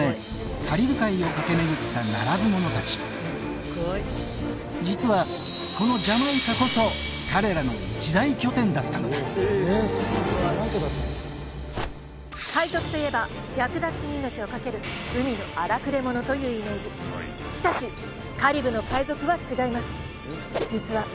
カリブ海をかけめぐったならず者達実はこのジャマイカこそ彼らの一大拠点だったのだ海賊といえば略奪に命をかける海の荒くれ者というイメージしかしカリブの海賊は違います